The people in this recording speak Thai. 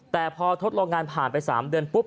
แต่พอทดลองงานผ่านไป๓เดือนปุ๊บ